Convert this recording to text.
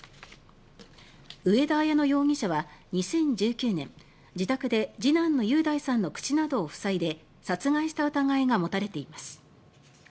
上田綾乃容疑者は２０１９年自宅で次男の雄大さんの口などを塞いで殺害した疑いが持たれています。